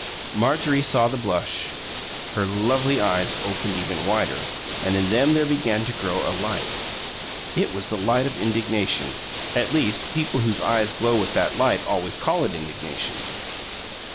Marjorie saw the blush. Her lovely eyes opened even wider, and in them there began to grow a light. It was the light of indignation; at least, people whose eyes glow with that light always call it indignation.